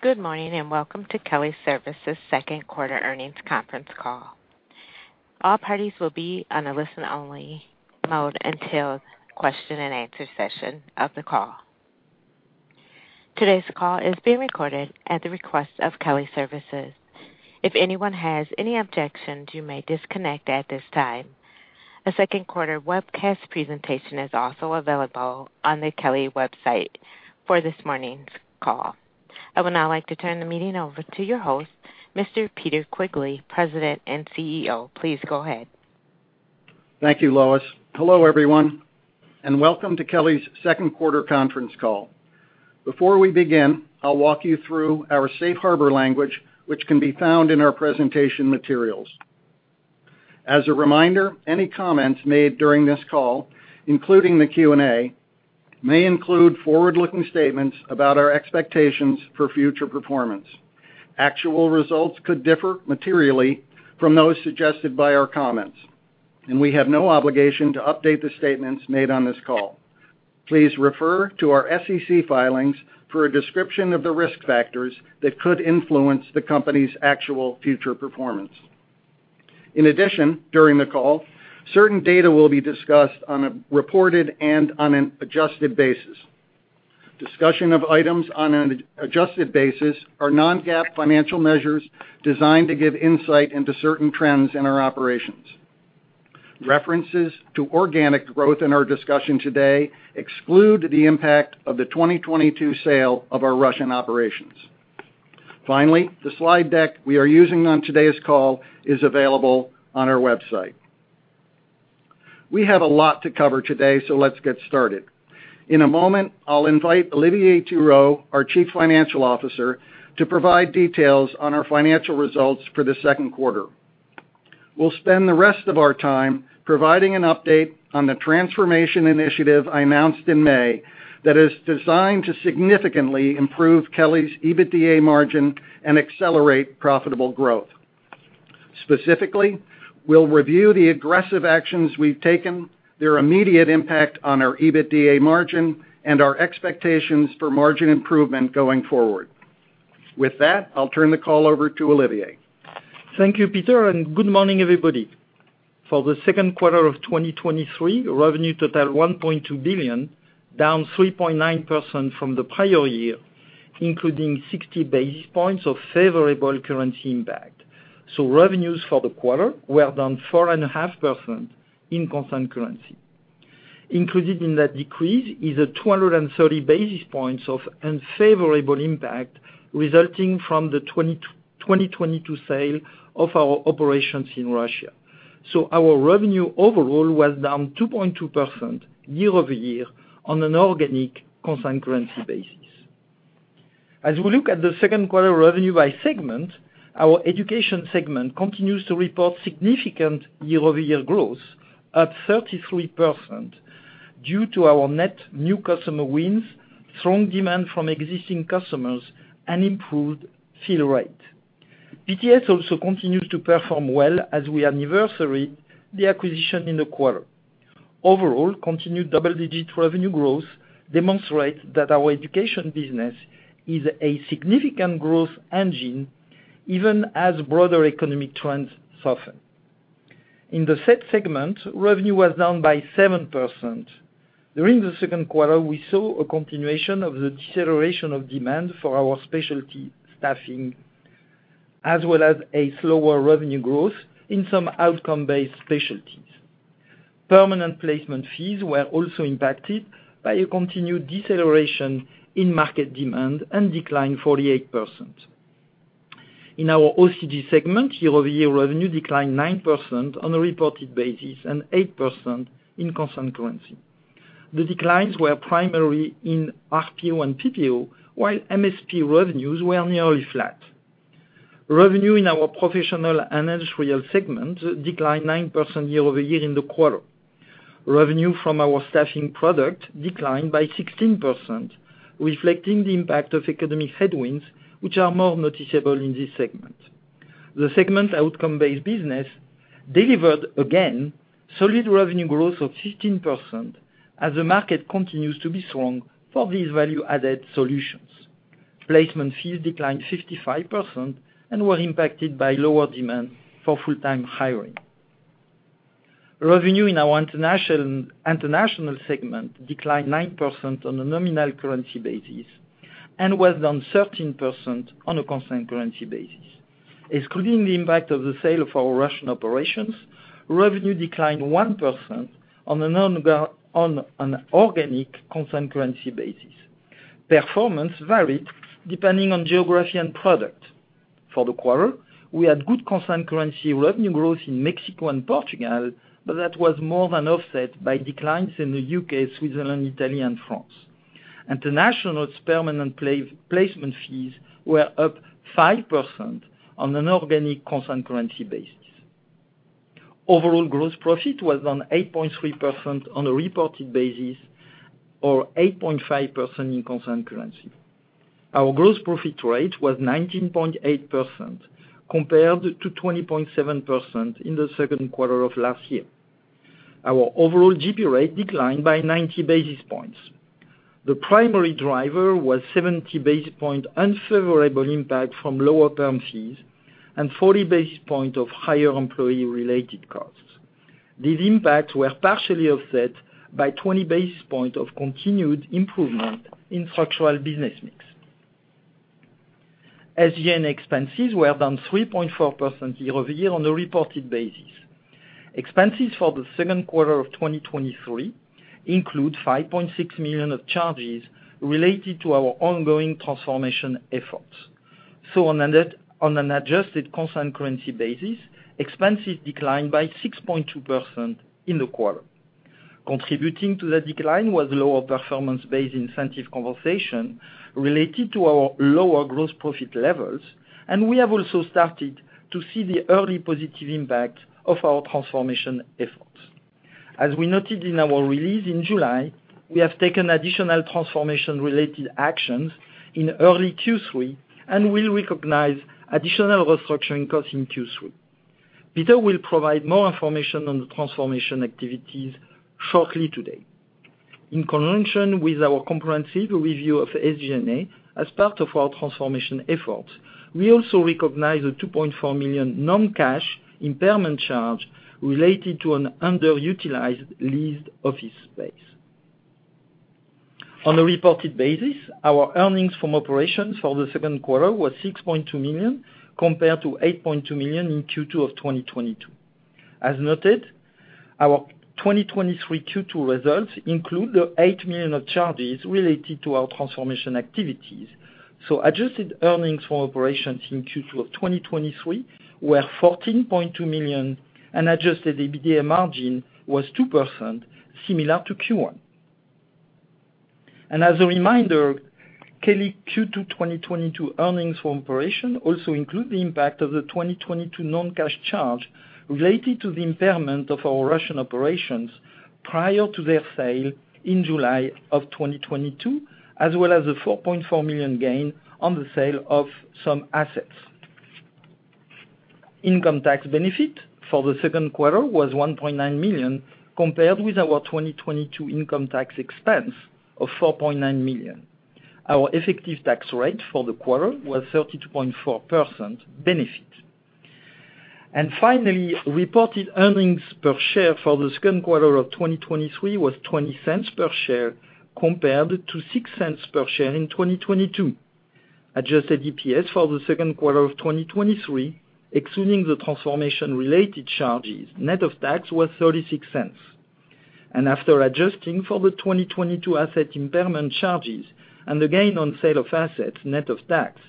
Good morning, welcome to Kelly Services' Q2 earnings conference call. All parties will be on a listen-only mode until question and answer session of the call. Today's call is being recorded at the request of Kelly Services. If anyone has any objections, you may disconnect at this time. A Q2 webcast presentation is also available on the Kelly website for this morning's call. I would now like to turn the meeting over to your host, Mr. Peter Quigley, President and CEO. Please go ahead. Thank you, Lois. Hello, everyone, and welcome to Kelly's Q2 conference call. Before we begin, I'll walk you through our safe harbor language, which can be found in our presentation materials. As a reminder, any comments made during this call, including the Q&A, may include forward-looking statements about our expectations for future performance. Actual results could differ materially from those suggested by our comments, and we have no obligation to update the statements made on this call. Please refer to our SEC filings for a description of the risk factors that could influence the company's actual future performance. In addition, during the call, certain data will be discussed on a reported and on an adjusted basis. Discussion of items on an adjusted basis are non-GAAP financial measures designed to give insight into certain trends in our operations. References to organic growth in our discussion today exclude the impact of the 2022 sale of our Russian operations. Finally, the slide deck we are using on today's call is available on our website. We have a lot to cover today, let's get started. In a moment, I'll invite Olivier Thirot, our Chief Financial Officer, to provide details on our financial results for the Q2. We'll spend the rest of our time providing an update on the transformation initiative I announced in May that is designed to significantly improve Kelly's EBITDA margin and accelerate profitable growth. Specifically, we'll review the aggressive actions we've taken, their immediate impact on our EBITDA margin, and our expectations for margin improvement going forward. With that, I'll turn the call over to Olivier. Thank you, Peter. Good morning, everybody. For the Q2 of 2023, revenue totaled $1.2 billion, down 3.9% from the prior year, including 60 basis points of favorable currency impact. Revenues for the quarter were down 4.5% in constant currency. Included in that decrease is a 230 basis points of unfavorable impact, resulting from the 2022 sale of our operations in Russia. Our revenue overall was down 2.2% year-over-year on an organic constant currency basis. As we look at the Q2 revenue by segment, our education segment continues to report significant year-over-year growth at 33%, due to our net new customer wins, strong demand from existing customers, and improved fill rate. PTS also continues to perform well as we anniversary the acquisition in the quarter. Overall, continued double-digit revenue growth demonstrates that our education business is a significant growth engine, even as broader economic trends soften. In the SET segment, revenue was down by 7%. During the Q2, we saw a continuation of the deceleration of demand for our specialty staffing, as well as a slower revenue growth in some outcome-based specialties. Permanent placement fees were also impacted by a continued deceleration in market demand and declined 48%. In our OCG segment, year-over-year revenue declined 9% on a reported basis and 8% in constant currency. The declines were primarily in RPO and PPO, while MSP revenues were nearly flat. Revenue in our professional and industrial segment declined 9% year-over-year in the quarter. Revenue from our staffing product declined by 16%, reflecting the impact of economic headwinds, which are more noticeable in this segment. The segment's outcome-based business delivered, again, solid revenue growth of 15% as the market continues to be strong for these value-added solutions. Placement fees declined 55% and were impacted by lower demand for full-time hiring. Revenue in our international segment declined 9% on a nominal currency basis and was down 13% on a constant currency basis. Excluding the impact of the sale of our Russian operations, revenue declined 1% on an organic constant currency basis. Performance varied depending on geography and product. For the quarter, we had good constant currency revenue growth in Mexico and Portugal, but that was more than offset by declines in the UK, Switzerland, Italy, and France. International's permanent placement fees were up 5% on an organic constant currency basis. Overall, gross profit was down 8.3% on a reported basis or 8.5% in constant currency. Our gross profit rate was 19.8%, compared to 20.7% in the Q2 of last year. Our overall GP rate declined by 90 basis points. The primary driver was 70 basis point unfavorable impact from lower term fees and 40 basis point of higher employee-related costs. These impacts were partially offset by 20 basis point of continued improvement in structural business mix. SG&A expenses were down 3.4% year-over-year on a reported basis. Expenses for the Q2 of 2023 include $5.6 million of charges related to our ongoing transformation efforts. On an adjusted constant currency basis, expenses declined by 6.2% in the quarter. Contributing to the decline was lower performance-based incentive conversation related to our lower gross profit levels, and we have also started to see the early positive impact of our transformation efforts. As we noted in our release in July, we have taken additional transformation-related actions in early Q3, and we'll recognize additional restructuring costs in Q3. Peter will provide more information on the transformation activities shortly today. In conjunction with our comprehensive review of SG&A, as part of our transformation efforts, we also recognize a $2.4 million non-cash impairment charge related to an underutilized leased office space. On a reported basis, our earnings from operations for the Q2 was $6.2 million, compared to $8.2 million in Q2 of 2022. As noted, our 2023 Q2 results include the $8 million of charges related to our transformation activities. Adjusted earnings for operations in Q2 of 2023 were $14.2 million, and adjusted EBITDA margin was 2%, similar to Q1. As a reminder, Kelly Q2 2022 earnings for operation also include the impact of the 2022 non-cash charge related to the impairment of our Russian operations prior to their sale in July of 2022, as well as a $4.4 million gain on the sale of some assets. Income tax benefit for the Q2 was $1.9 million, compared with our 2022 income tax expense of $4.9 million. Our effective tax rate for the quarter was 32.4% benefit. Finally, reported EPS for the Q2 of 2023 was $0.20 per share, compared to $0.06 per share in 2022. Adjusted EPS for the Q2 of 2023, excluding the transformation-related charges, net of tax, was $0.36. After adjusting for the 2022 asset impairment charges and the gain on sale of assets, net of tax,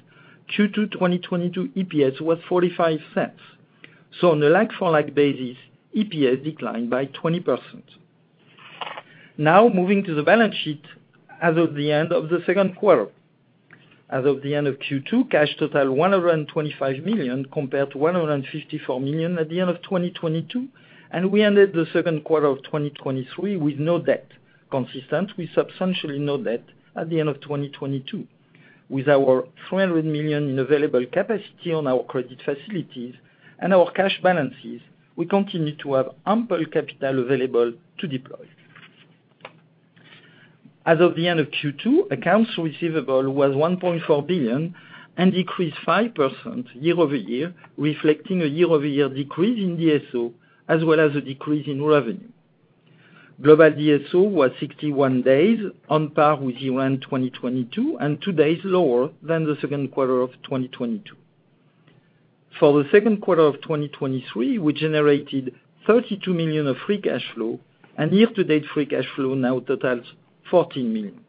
Q2 2022 EPS was $0.45. On a like-for-like basis, EPS declined by 20%. Now, moving to the balance sheet as of the end of the Q2. As of the end of Q2, cash totaled $125 million, compared to $154 million at the end of 2022. We ended the Q2 of 2023 with no debt, consistent with substantially no debt at the end of 2022. With our $400 million in available capacity on our credit facilities and our cash balances, we continue to have ample capital available to deploy. As of the end of Q2, accounts receivable was $1.4 billion and decreased 5% year-over-year, reflecting a year-over-year decrease in DSO, as well as a decrease in revenue. Global DSO was 61 days, on par with year-end 2022, and two days lower than the Q2 of 2022. For the Q2 of 2023, we generated $32 million of free cash flow, and year-to-date free cash flow now totals $14 million.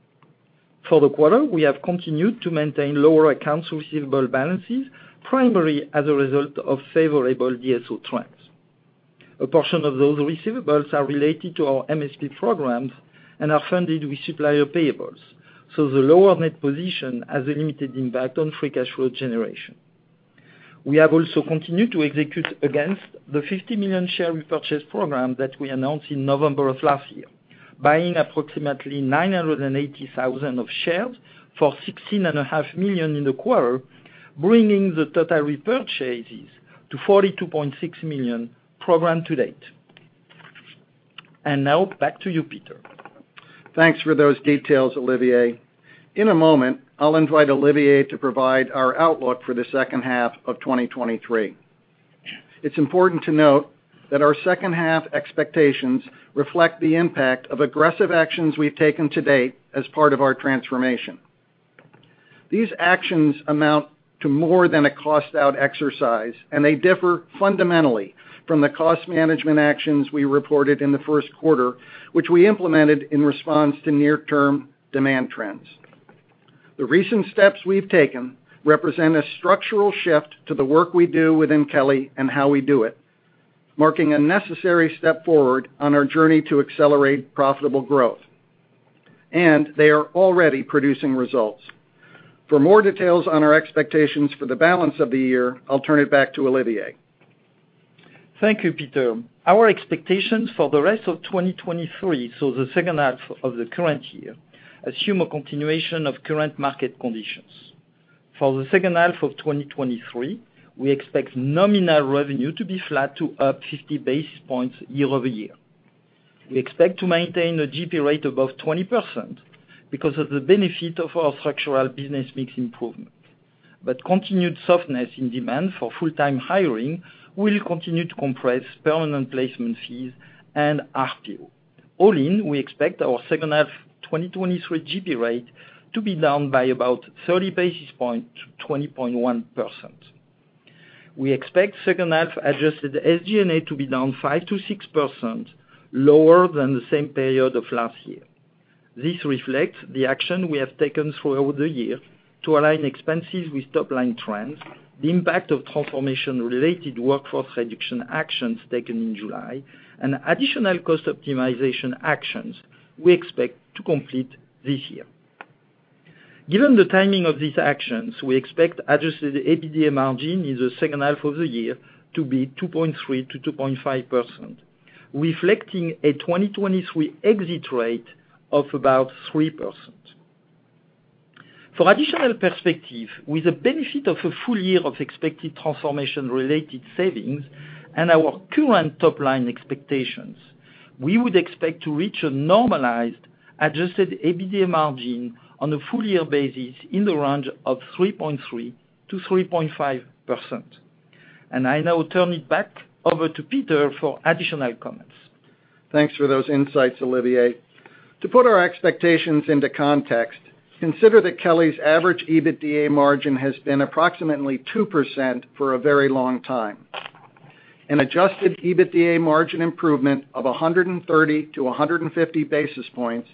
For the quarter, we have continued to maintain lower accounts receivable balances, primarily as a result of favorable DSO trends. A portion of those receivables are related to our MSP programs and are funded with supplier payables. The lower net position has a limited impact on free cash flow generation. We have also continued to execute against the 50 million share repurchase program that we announced in November of last year, buying approximately 980,000 of shares for $16.5 million in the quarter, bringing the total repurchases to $42.6 million program to date. Now, back to you, Peter. Thanks for those details, Olivier. In a moment, I'll invite Olivier to provide our outlook for the second half of 2023. It's important to note that our second-half expectations reflect the impact of aggressive actions we've taken to date as part of our transformation. These actions amount to more than a cost-out exercise, and they differ fundamentally from the cost management actions we reported in the Q1, which we implemented in response to near-term demand trends. The recent steps we've taken represent a structural shift to the work we do within Kelly and how we do it, marking a necessary step forward on our journey to accelerate profitable growth, and they are already producing results. For more details on our expectations for the balance of the year, I'll turn it back to Olivier. Thank you, Peter. Our expectations for the rest of 2023, so the second half of the current year, assume a continuation of current market conditions. For the second half of 2023, we expect nominal revenue to be flat to up 50 basis points year-over-year. We expect to maintain a GP rate above 20% because of the benefit of our structural business mix improvement. Continued softness in demand for full-time hiring will continue to compress permanent placement fees and RPO. All in, we expect our second half 2023 GP rate to be down by about 30 basis points to 20.1%. We expect second half adjusted SG&A to be down 5%-6%, lower than the same period of last year. This reflects the action we have taken throughout the year to align expenses with top-line trends, the impact of transformation-related workforce reduction actions taken in July, and additional cost optimization actions we expect to complete this year. Given the timing of these actions, we expect adjusted EBITDA margin in the second half of the year to be 2.3%-2.5%, reflecting a 2023 exit rate of about 3%. For additional perspective, with the benefit of a full year of expected transformation-related savings and our current top-line expectations, we would expect to reach a normalized adjusted EBITDA margin on a full year basis in the range of 3.3%-3.5%. I now turn it back over to Peter for additional comments. Thanks for those insights, Olivier. To put our expectations into context, consider that Kelly's average EBITDA margin has been approximately 2% for a very long time. An adjusted EBITDA margin improvement of 130-150 basis points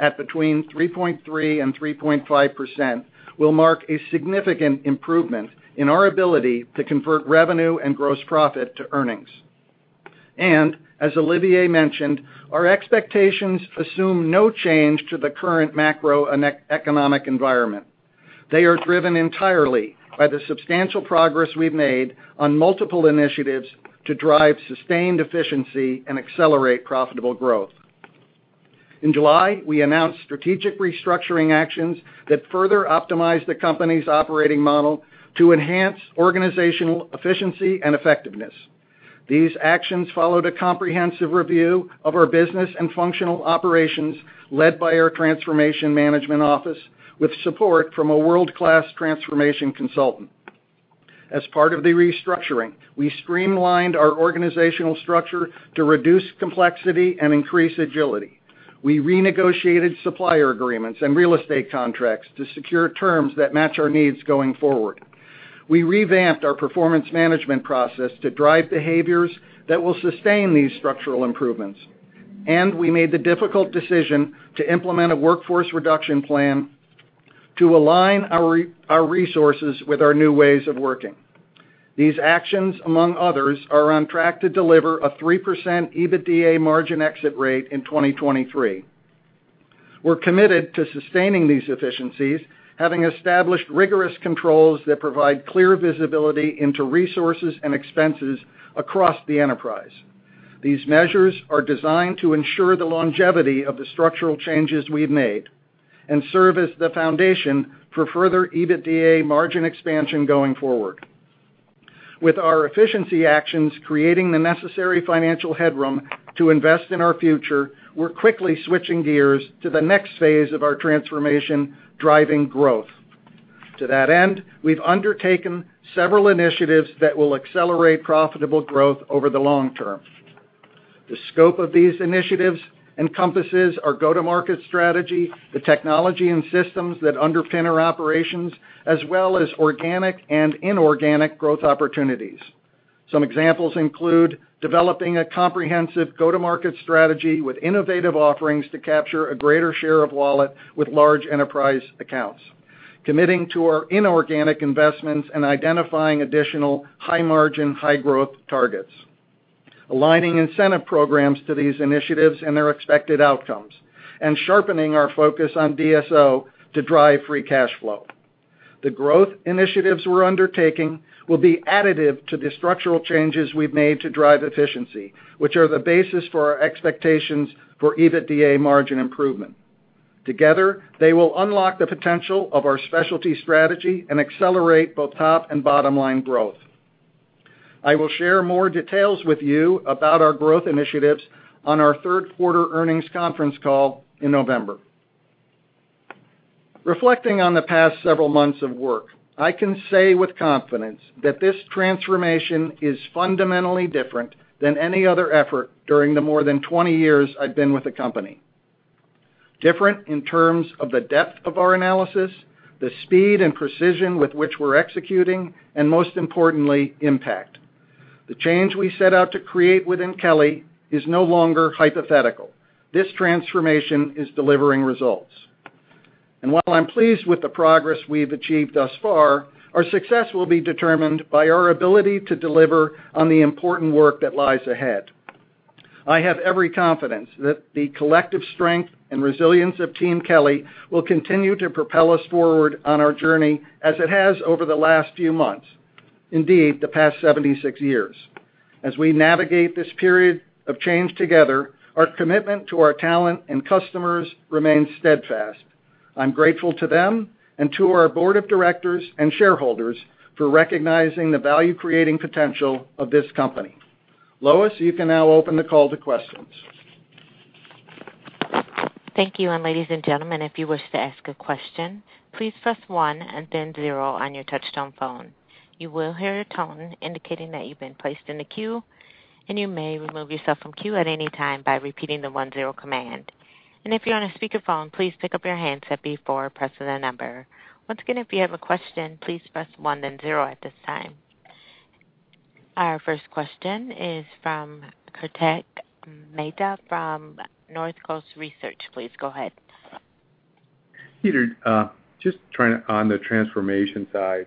at between 3.3% and 3.5% will mark a significant improvement in our ability to convert revenue and gross profit to earnings. As Olivier mentioned, our expectations assume no change to the current macroeconomic environment. They are driven entirely by the substantial progress we've made on multiple initiatives to drive sustained efficiency and accelerate profitable growth. In July, we announced strategic restructuring actions that further optimize the company's operating model to enhance organizational efficiency and effectiveness. These actions followed a comprehensive review of our business and functional operations, led by our Transformation Management Office, with support from a world-class transformation consultant. As part of the restructuring, we streamlined our organizational structure to reduce complexity and increase agility. We renegotiated supplier agreements and real estate contracts to secure terms that match our needs going forward. We revamped our performance management process to drive behaviors that will sustain these structural improvements. We made the difficult decision to implement a workforce reduction plan to align our resources with our new ways of working. These actions, among others, are on track to deliver a 3% EBITDA margin exit rate in 2023. We're committed to sustaining these efficiencies, having established rigorous controls that provide clear visibility into resources and expenses across the enterprise. These measures are designed to ensure the longevity of the structural changes we've made and serve as the foundation for further EBITDA margin expansion going forward. With our efficiency actions creating the necessary financial headroom to invest in our future, we're quickly switching gears to the next phase of our transformation, driving growth. To that end, we've undertaken several initiatives that will accelerate profitable growth over the long term. The scope of these initiatives encompasses our go-to-market strategy, the technology and systems that underpin our operations, as well as organic and inorganic growth opportunities. Some examples include developing a comprehensive go-to-market strategy with innovative offerings to capture a greater share of wallet with large enterprise accounts, committing to our inorganic investments, and identifying additional high-margin, high-growth targets, aligning incentive programs to these initiatives and their expected outcomes, and sharpening our focus on DSO to drive free cash flow. The growth initiatives we're undertaking will be additive to the structural changes we've made to drive efficiency, which are the basis for our expectations for EBITDA margin improvement. Together, they will unlock the potential of our specialty strategy and accelerate both top and bottom-line growth. I will share more details with you about our growth initiatives on our Q3 earnings conference call in November. Reflecting on the past several months of work, I can say with confidence that this transformation is fundamentally different than any other effort during the more than 20 years I've been with the company. Different in terms of the depth of our analysis, the speed and precision with which we're executing, and most importantly, impact. The change we set out to create within Kelly is no longer hypothetical. This transformation is delivering results. While I'm pleased with the progress we've achieved thus far, our success will be determined by our ability to deliver on the important work that lies ahead. I have every confidence that the collective strength and resilience of Team Kelly will continue to propel us forward on our journey, as it has over the last few months. Indeed, the past 76 years. As we navigate this period of change together, our commitment to our talent and customers remains steadfast. I'm grateful to them and to our board of directors and shareholders for recognizing the value-creating potential of this company. Lois, you can now open the call to questions. Thank you. Ladies and gentlemen, if you wish to ask a question, please press one and then zero on your touchtone phone. You will hear a tone indicating that you've been placed in the queue, and you may remove yourself from queue at any time by repeating the one-zero command. If you're on a speakerphone, please pick up your handset before pressing the number. Once again, if you have a question, please press one, then zero at this time. Our first question is from Kartik Mehta from Northcoast Research. Please go ahead. Peter, just trying to, on the transformation side,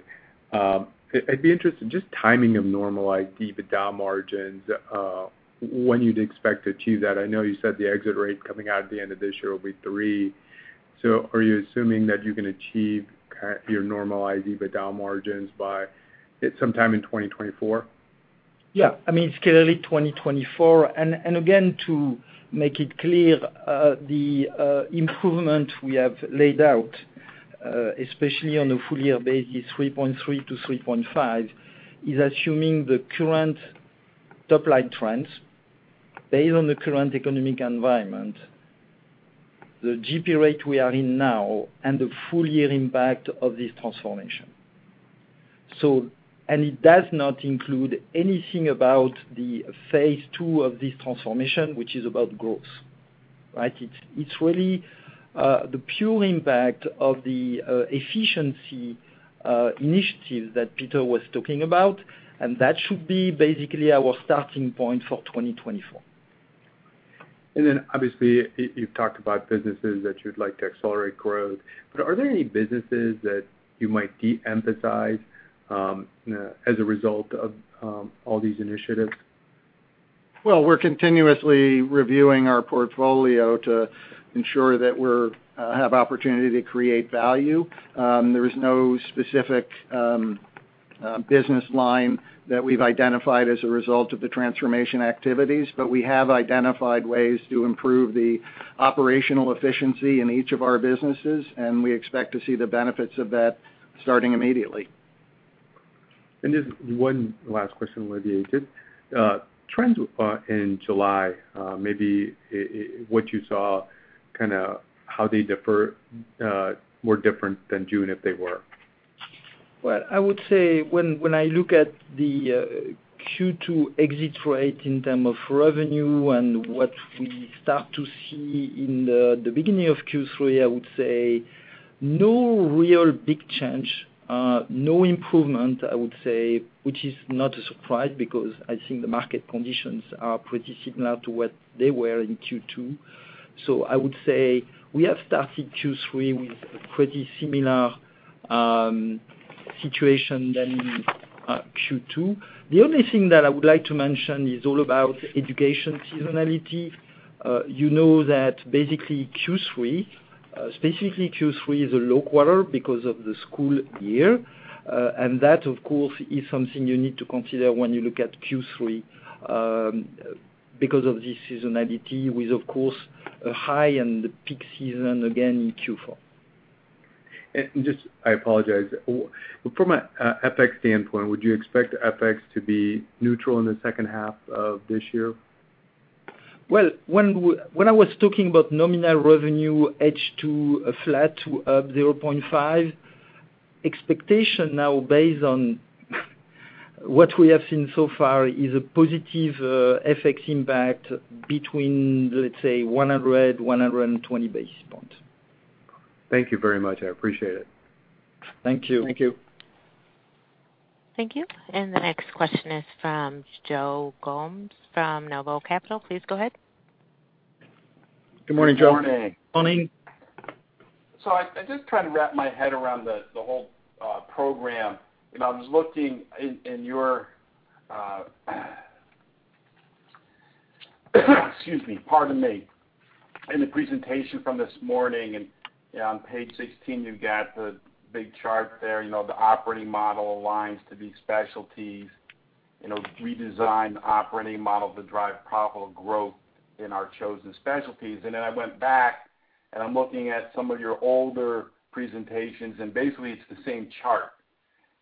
I'd be interested in just timing of normalized EBITDA margins, when you'd expect to achieve that. I know you said the exit rate coming out at the end of this year will be three. Are you assuming that you can achieve your normalized EBITDA margins by sometime in 2024? Yeah. I mean, it's clearly 2024. Again, to make it clear, the improvement we have laid out, especially on a full year basis, 3.3 to 3.5, is assuming the current top-line trends based on the current economic environment, the GP rate we are in now, and the full year impact of this transformation. It does not include anything about the phase two of this transformation, which is about growth, right? It's, it's really, the pure impact of the efficiency initiative that Peter was talking about, and that should be basically our starting point for 2024. Then, obviously, you've talked about businesses that you'd like to accelerate growth, but are there any businesses that you might de-emphasize as a result of all these initiatives? Well, we're continuously reviewing our portfolio to ensure that we're have opportunity to create value. There is no specific business line that we've identified as a result of the transformation activities, but we have identified ways to improve the operational efficiency in each of our businesses, and we expect to see the benefits of that starting immediately. Just one last question with you, did. Trends in July, maybe what you saw, kind of how they differ, more different than June, if they were? Well, I would say when, when I look at the Q2 exit rate in term of revenue and what we start to see in the beginning of Q3, I would say no real big change, no improvement, I would say, which is not a surprise because I think the market conditions are pretty similar to what they were in Q2. I would say we have started Q3 with a pretty similar situation than Q2. The only thing that I would like to mention is all about education seasonality. You know that basically Q3, specifically Q3, is a low quarter because of the school year. That, of course, is something you need to consider when you look at Q3, because of the seasonality, with, of course, a high and peak season again in Q4. Just, I apologize. From a FX standpoint, would you expect FX to be neutral in the second half of this year? Well, when I was talking about nominal revenue, edge to a flat to, 0.5, expectation now, based on what we have seen so far, is a positive FX impact between, let's say, 100-120 basis points. Thank you very much. I appreciate it. Thank you. Thank you. Thank you. The next question is from Joe Gomes from Noble Capital Markets. Please go ahead. Good morning, Joe. Good morning. Morning. I, I'm just trying to wrap my head around the, the whole program. I was looking in, in your, excuse me, pardon me. In the presentation from this morning, on page 16, you've got the big chart there, you know, the operating model aligns to these specialties, you know, redesign the operating model to drive profitable growth in our chosen specialties. Then I went back, and I'm looking at some of your older presentations, and basically, it's the same chart,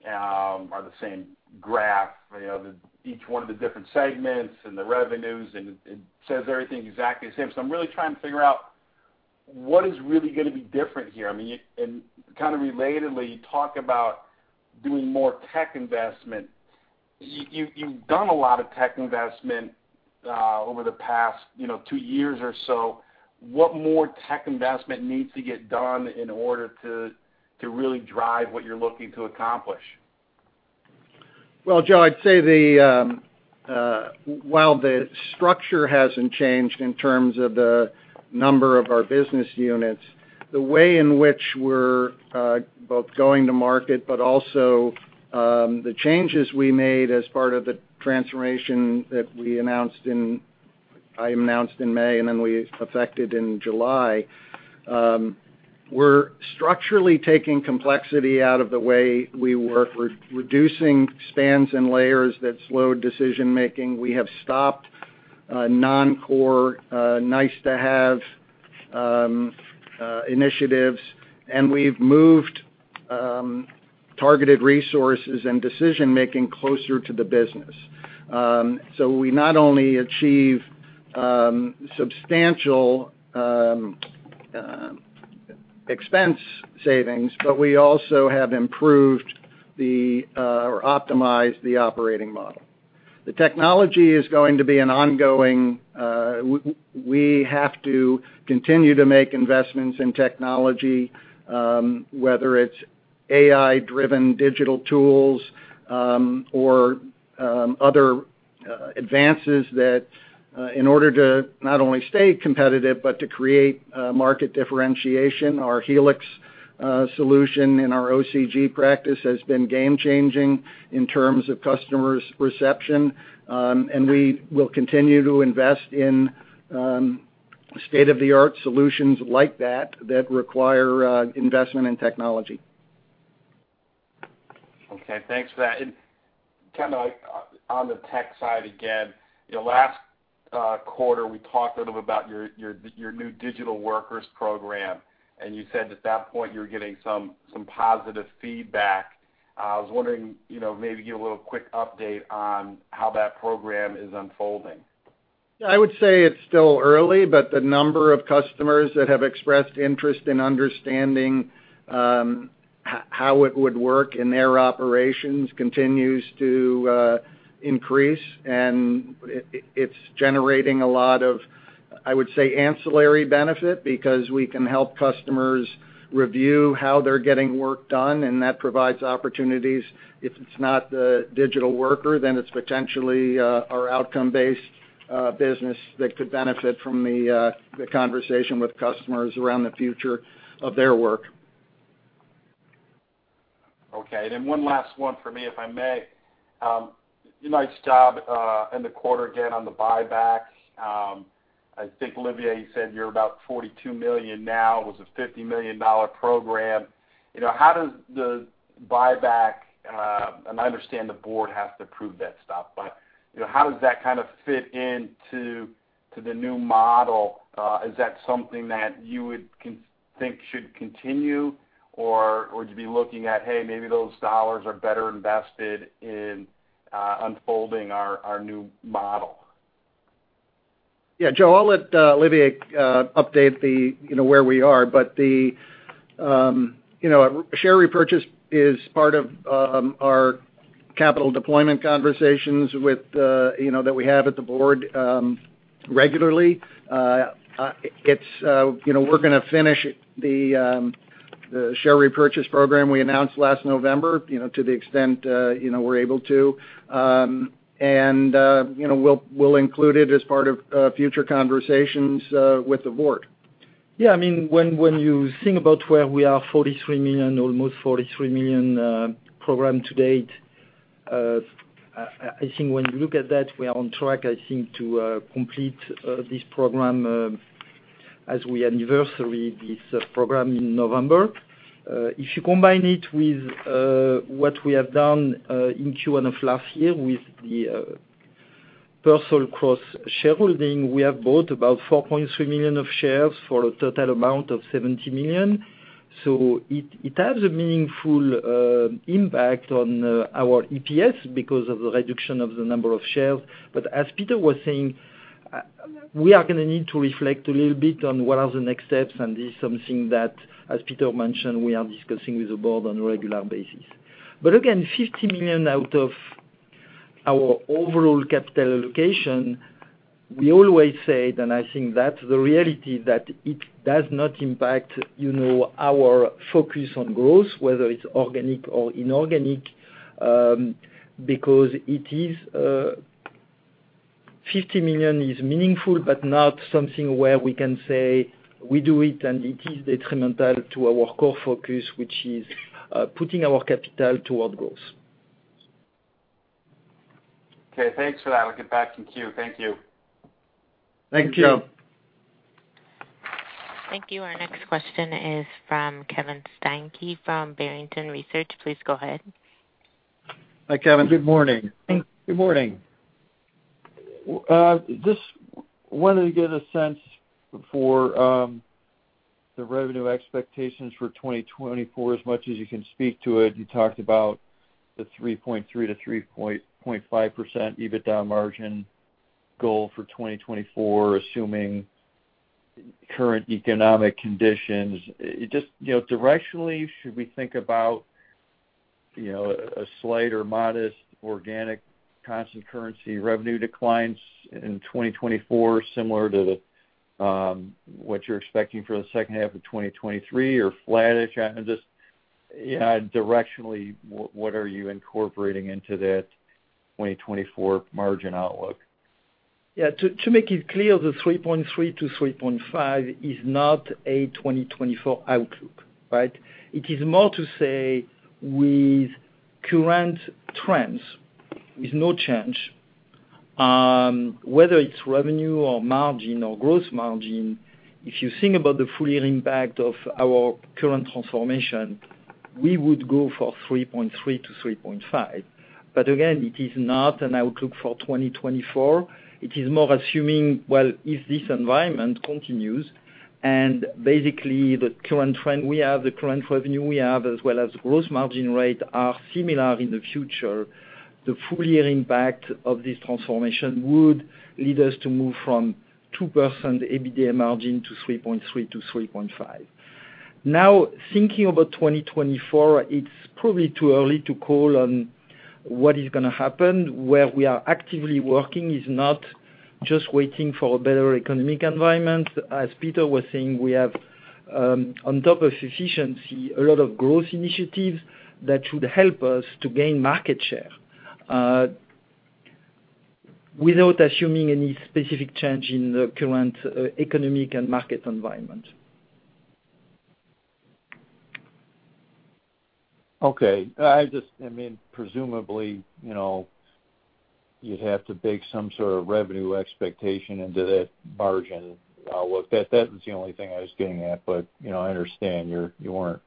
or the same graph, you know, each one of the different segments and the revenues, and it says everything exactly the same. I'm really trying to figure out what is really gonna be different here. I mean, and kind of relatedly, you talk about doing more tech investment. You've done a lot of tech investment over the past, you know, two years or so. What more tech investment needs to get done in order to really drive what you're looking to accomplish? Well, Joe, I'd say while the structure hasn't changed in terms of the number of our business units, the way in which we're both going to market, but also, the changes we made as part of the transformation that we announced, I announced in May, and then we affected in July, we're structurally taking complexity out of the way we work. We're reducing spans and layers that slow decision-making. We have stopped non-core, nice-to-have, initiatives, and we've moved targeted resources and decision-making closer to the business. We not only achieve substantial expense savings, but we also have improved the or optimized the operating model. The technology is going to be an ongoing, we have to continue to make investments in technology, whether it's AI-driven digital tools, or other advances that, in order to not only stay competitive but to create market differentiation. Our Helix solution in our OCG practice has been game-changing in terms of customers' perception, and we will continue to invest in state-of-the-art solutions like that, that require investment in technology. Okay, thanks for that. Kind of like, on the tech side again, you know, last quarter, we talked a little about your, your, your new Digital Workers program, and you said at that point you were getting some, some positive feedback. I was wondering, you know, maybe give a little quick update on how that program is unfolding. Yeah, I would say it's still early, but the number of customers that have expressed interest in understanding how it would work in their operations continues to increase, and it's generating a lot of, I would say, ancillary benefit because we can help customers review how they're getting work done, and that provides opportunities. If it's not the digital worker, then it's potentially our outcome-based business that could benefit from the conversation with customers around the future of their work. Okay, one last one for me, if I may. You nice job in the quarter again, on the buyback. I think, Olivier, you said you're about $42 million now. It was a $50 million program. You know, how does the buyback, and I understand the board has to approve that stuff, but, you know, how does that kind of fit into to the new model? Is that something that you would think should continue, or would you be looking at, "Hey, maybe those dollars are better invested in unfolding our, our new model? Yeah, Joe, I'll let Olivier update the, you know, where we are. The, you know, share repurchase is part of our capital deployment conversations with, you know, that we have at the board, regularly. It's, you know, we're gonna finish the, the share repurchase program we announced last November, you know, to the extent, you know, we're able to. We'll, we'll include it as part of future conversations with the board. Yeah, I mean, when, when you think about where we are, $43 million, almost $43 million, program to date, I, I think when you look at that, we are on track, I think, to complete this program, as we anniversary this program in November. If you combine it with what we have done in Q1 of last year with the personal cross-shareholding, we have bought about $4.3 million of shares for a total amount of $70 million. It, it has a meaningful impact on our EPS because of the reduction of the number of shares. As Peter was saying, we are gonna need to reflect a little bit on what are the next steps. This is something that, as Peter mentioned, we are discussing with the board on a regular basis. Again, $50 million out of our overall capital allocation, we always said, and I think that's the reality, that it does not impact, you know, our focus on growth, whether it's organic or inorganic, because $50 million is meaningful, but not something where we can say we do it and it is detrimental to our core focus, which is putting our capital toward growth. Okay, thanks for that. We'll get back in queue. Thank you. Thank you. Thank you. Thank you. Our next question is from Kevin Steinke from Barrington Research. Please go ahead. Hi, Kevin. Good morning. Good morning. Just wanted to get a sense for the revenue expectations for 2024, as much as you can speak to it. You talked about the 3.3%-3.5% EBITDA margin goal for 2024, assuming current economic conditions. Just, you know, directionally, should we think about, you know, a slight or modest organic constant currency revenue declines in 2024, similar to what you're expecting for the second half of 2023 or flattish? I'm just, yeah, directionally, what, what are you incorporating into that 2024 margin outlook? Yeah, to, to make it clear, the 3.3-3.5 is not a 2024 outlook, right? It is more to say current trends is no change. Whether it's revenue or margin or gross margin, if you think about the full year impact of our current transformation, we would go for 3.3-3.5. Again, it is not an outlook for 2024. It is more assuming, well, if this environment continues, and basically, the current trend we have, the current revenue we have, as well as gross margin rate, are similar in the future, the full year impact of this transformation would lead us to move from 2% EBITDA margin to 3.3-3.5. Now, thinking about 2024, it's probably too early to call on what is gonna happen. Where we are actively working is not just waiting for a better economic environment. As Peter was saying, we have on top of efficiency, a lot of growth initiatives that should help us to gain market share without assuming any specific change in the current economic and market environment. Okay. I mean, presumably, you know, you'd have to bake some sort of revenue expectation into that margin outlook. That was the only thing I was getting at. I understand you weren't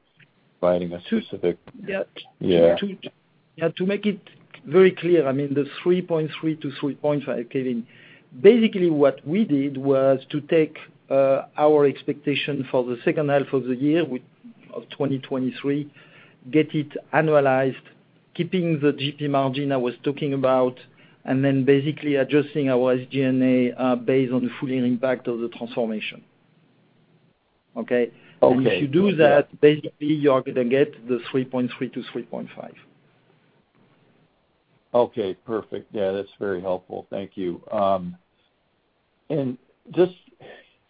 providing a specific- Yeah. Yeah. Yeah, to make it very clear, I mean, the 3.3-3.5, Kevin, basically, what we did was to take our expectation for the second half of the year of 2023, get it annualized, keeping the GP margin I was talking about, and then basically adjusting our SG&A based on the full year impact of the transformation. Okay? Okay. If you do that, basically, you are gonna get the 3.3-3.5. Okay, perfect. Yeah, that's very helpful. Thank you. Just,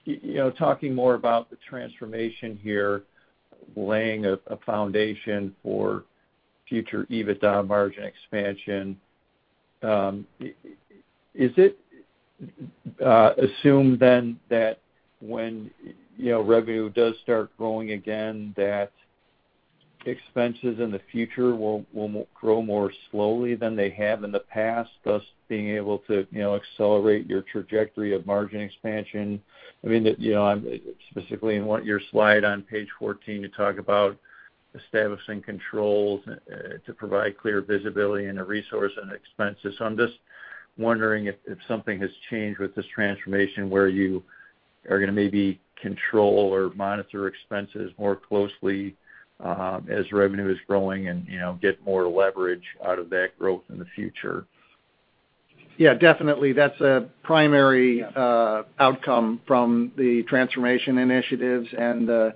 you know, talking more about the transformation here, laying a foundation for future EBITDA margin expansion, is it assumed then that when, you know, revenue does start growing again, that expenses in the future will grow more slowly than they have in the past, thus being able to, you know, accelerate your trajectory of margin expansion? I mean, you know, I'm specifically in what your slide on page 14, you talk about establishing controls to provide clear visibility into resource and expenses. I'm just wondering if, if something has changed with this transformation where you are gonna maybe control or monitor expenses more closely as revenue is growing and, you know, get more leverage out of that growth in the future. Yeah, definitely, that's a primary, Yeah Outcome from the transformation initiatives and the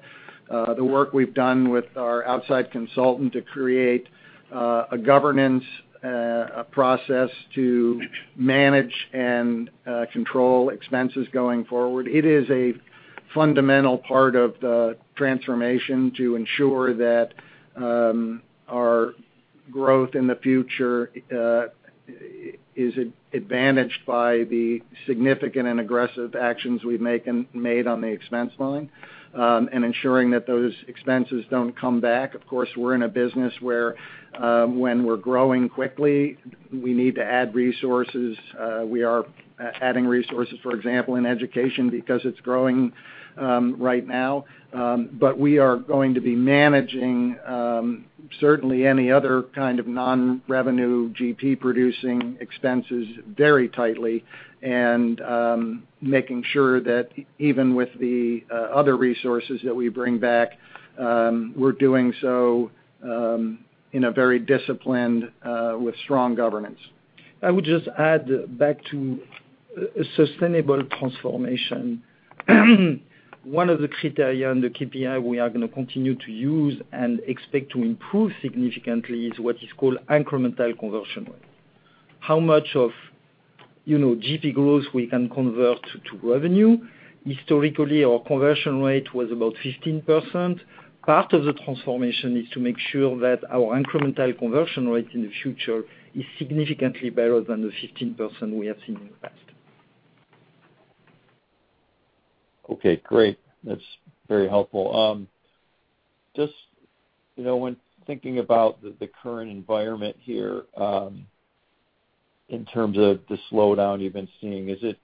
work we've done with our outside consultant to create a governance process to manage and control expenses going forward. It is a fundamental part of the transformation to ensure that our growth in the future is advantaged by the significant and aggressive actions we've made on the expense line, and ensuring that those expenses don't come back. Of course, we're in a business where when we're growing quickly, we need to add resources. We are adding resources, for example, in education because it's growing right now. We are going to be managing, certainly any other kind of non-revenue, GP-producing expenses very tightly and, making sure that even with the other resources that we bring back, we're doing so in a very disciplined, with strong governance. I would just add back to sustainable transformation. One of the criteria and the KPI we are gonna continue to use and expect to improve significantly is what is called incremental conversion rate. How much of, you know, GP growth we can convert to, to revenue? Historically, our conversion rate was about 15%. Part of the transformation is to make sure that our incremental conversion rate in the future is significantly better than the 15% we have seen in the past. Okay, great. That's very helpful. Just, you know, when thinking about the, the current environment here, in terms of the slowdown you've been seeing, is it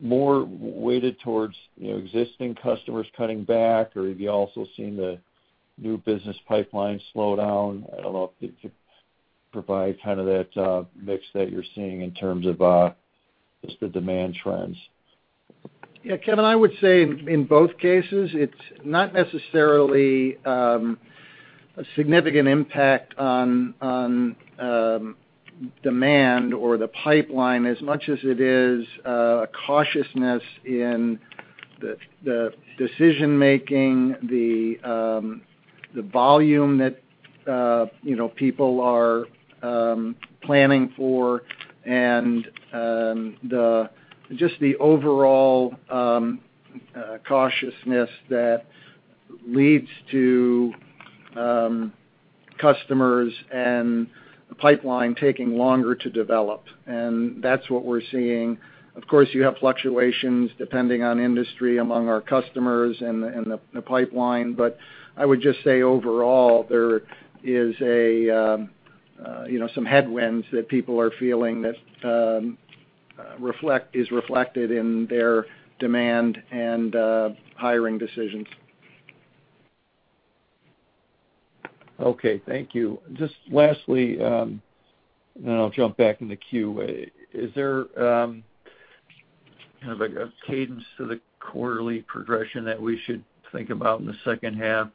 more weighted towards, you know, existing customers cutting back, or have you also seen the new business pipeline slow down? I don't know if you could provide kind of that, mix that you're seeing in terms of, just the demand trends. Yeah, Kevin, I would say in, in both cases, it's not necessarily a significant impact on demand or the pipeline as much as it is a cautiousness in the decision-making, the volume that, you know, people are planning for, and just the overall cautiousness that leads to customers and the pipeline taking longer to develop, and that's what we're seeing. Of course, you have fluctuations depending on industry among our customers and the, and the, the pipeline. I would just say overall, there is a, you know, some headwinds that people are feeling that, is reflected in their demand and hiring decisions. Okay, thank you. Just lastly, then I'll jump back in the queue. Is there, kind of like a cadence to the quarterly progression that we should think about in the second half,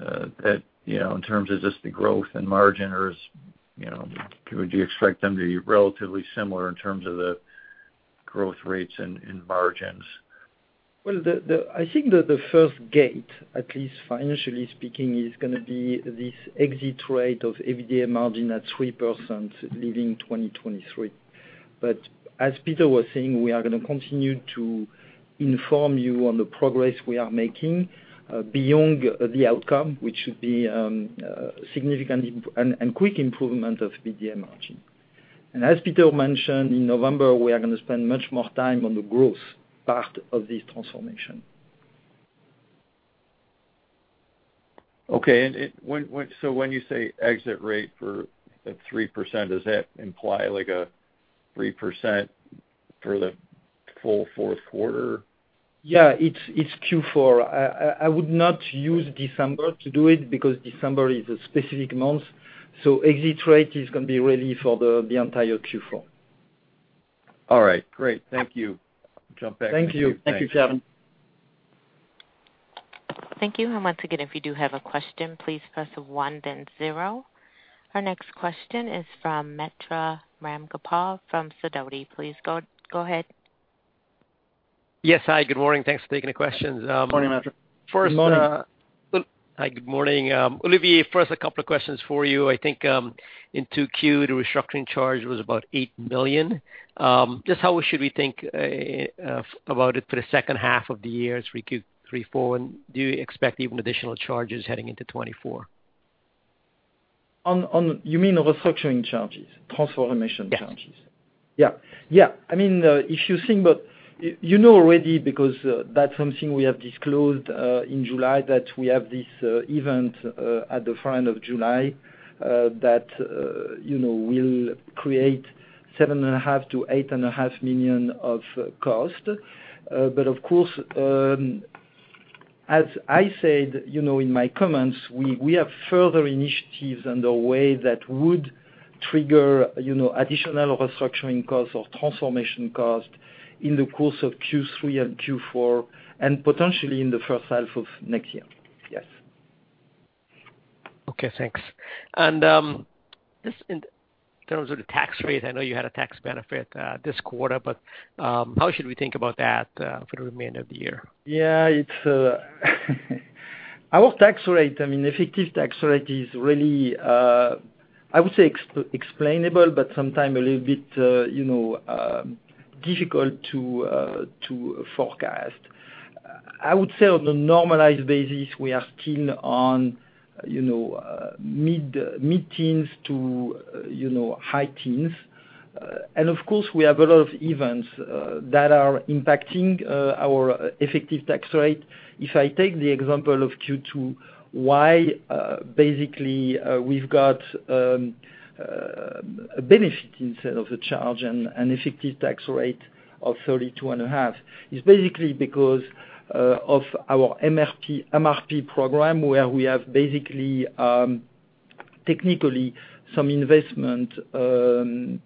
that, you know, in terms of just the growth and margin, or is, you know, would you expect them to be relatively similar in terms of the growth rates and, and margins? Well, I think that the first gate, at least financially speaking, is gonna be this exit rate of EBITDA margin at 3%, leaving 2023. As Peter was saying, we are gonna continue to inform you on the progress we are making beyond the outcome, which should be significant and quick improvement of EBITDA margin. As Peter mentioned, in November, we are gonna spend much more time on the growth part of this transformation. Okay. When you say exit rate for, at 3%, does that imply like a 3% for the full Q4? Yeah, it's, it's Q4. I, I, I would not use December to do it because December is a specific month, so exit rate is gonna be really for the, the entire Q4. All right, great. Thank you. Thank you. Thank you, Kevin. Thank you, and once again, if you do have a question, please press one, then zero. Our next question is from Mitra Ramgopal from Sidoti & Company. Please go ahead. Yes. Hi, good morning. Thanks for taking the questions. Morning, Mitra. Good morning. First, hi, good morning. Olivier, first, a couple of questions for you. I think, in Q2, the restructuring charge was about $8 million. Just how should we think about it for the second half of the year as we Q3, Q4, and do you expect even additional charges heading into 2024? You mean restructuring charges, transformation charges? Yeah. Yeah, yeah. I mean, if you think about, you know, already, because, that's something we have disclosed in July, that we have this event at the front of July, that, you know, will create $7.5 million-$8.5 million of cost. Of course, as I said, you know, in my comments, we, we have further initiatives underway that would trigger, you know, additional restructuring costs or transformation costs in the course of Q3 and Q4, and potentially in the first half of next year. Yes. Okay, thanks. Just in terms of the tax rate, I know you had a tax benefit this quarter, but how should we think about that for the remainder of the year? Yeah, it's, our tax rate, I mean, effective tax rate is really, I would say explainable, but sometimes a little bit, you know, difficult to forecast. I would say on a normalized basis, we are still on, you know, mid-teens to, you know, high teens. Of course, we have a lot of events that are impacting our effective tax rate. If I take the example of Q2, why, basically, we've got a benefit instead of a charge and an effective tax rate of 32.5%, is basically because of our MRP program, where we have basically, technically some investment through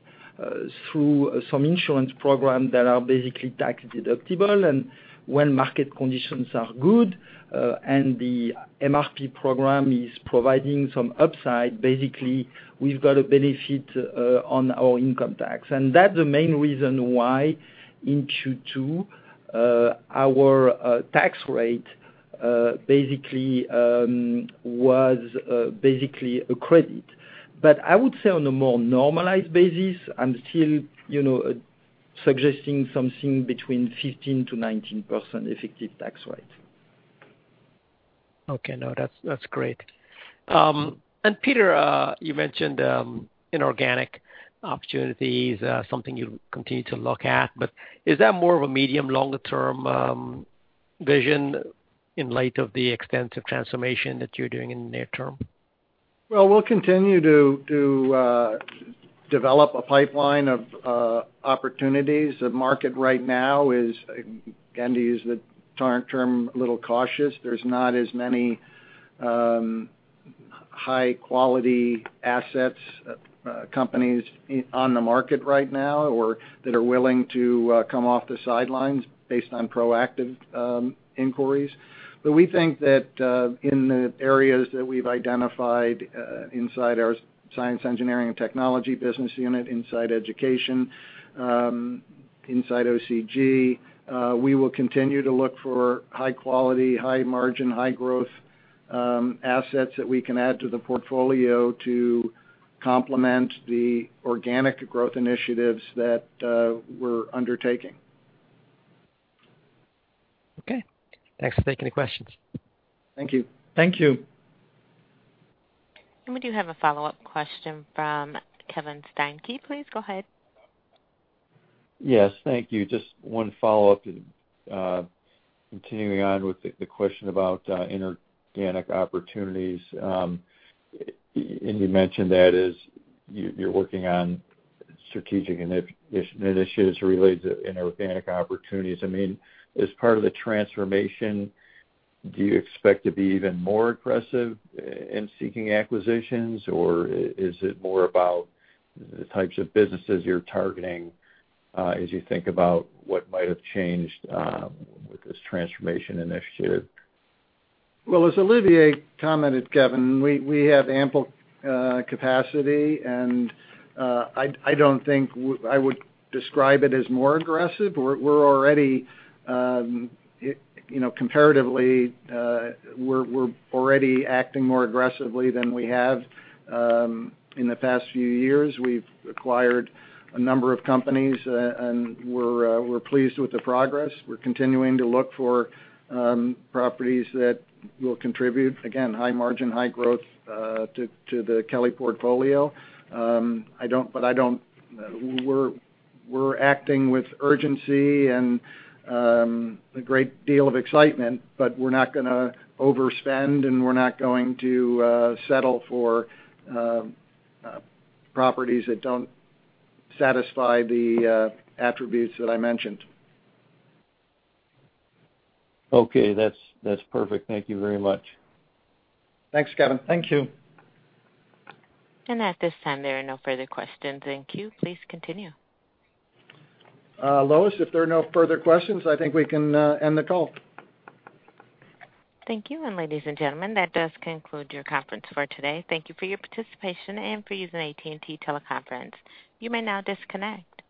some insurance program that are basically tax deductible. When market conditions are good, and the MRP program is providing some upside, basically, we've got a benefit on our income tax. That's the main reason why in Q2, our tax rate, basically, was basically a credit. I would say on a more normalized basis, I'm still, you know, suggesting something between 15%-19% effective tax rate. Okay. No, that's, that's great. Peter, you mentioned inorganic opportunities, something you continue to look at, but is that more of a medium, longer term vision in light of the extensive transformation that you're doing in the near term? Well, we'll continue to develop a pipeline of opportunities. The market right now is, again, to use the current term, a little cautious. There's not as many high quality assets, companies in, on the market right now or that are willing to come off the sidelines based on proactive inquiries. We think that in the areas that we've identified, inside our science, engineering, and technology business unit, inside education, inside OCG, we will continue to look for high quality, high margin, high growth assets that we can add to the portfolio to complement the organic growth initiatives that we're undertaking. Okay, thanks for taking the questions. Thank you. Thank you. We do have a follow-up question from Kevin Steinke. Please go ahead. Yes, thank you. Just one follow-up, continuing on with the, the question about inorganic opportunities. You mentioned that as you, you're working on strategic initiatives related to inorganic opportunities. I mean, as part of the transformation, do you expect to be even more aggressive in seeking acquisitions? Or is it more about the types of businesses you're targeting, as you think about what might have changed with this transformation initiative? As Olivier commented, Kevin, we, we have ample capacity, and I don't think I would describe it as more aggressive. We're, we're already, you know, comparatively, we're, we're already acting more aggressively than we have in the past few years. We've acquired a number of companies, and we're pleased with the progress. We're continuing to look for properties that will contribute, again, high margin, high growth to the Kelly portfolio. We're, we're acting with urgency and a great deal of excitement, but we're not gonna overspend, and we're not going to settle for properties that don't satisfy the attributes that I mentioned. Okay. That's perfect. Thank you very much. Thanks, Kevin. Thank you. At this time, there are no further questions. Thank you. Please continue. Lois, if there are no further questions, I think we can end the call. Thank you. Ladies and gentlemen, that does conclude your conference for today. Thank you for your participation and for using AT&T TeleConference. You may now disconnect.